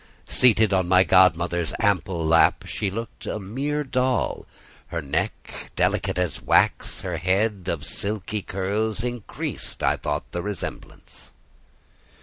Seated on my godmother's ample lap, she looked a mere doll; her neck, delicate as wax, her head of silky curls, increased, I thought, the resemblance.